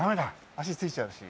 足ついちゃうし。